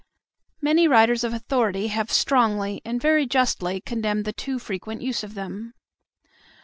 Many writers of authority have strongly, and very justly, condemned the too frequent use of them.